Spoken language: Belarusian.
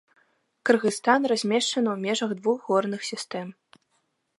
Кыргызстан размешчаны ў межах двух горных сістэм.